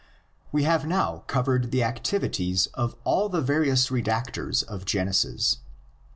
We have now covered the activities of all the various redactors of Genesis.